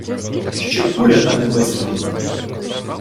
Ще курята не висиділа.